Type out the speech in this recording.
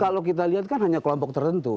kalau kita lihat kan hanya kelompok tertentu